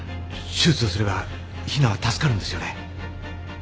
手術をすればひなは助かるんですよね？